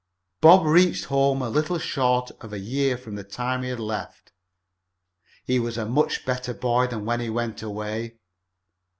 Bob reached home a little short of a year from the time he had left. He was a much better boy than when he went away.